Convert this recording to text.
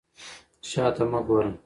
شا ته مه ګوره.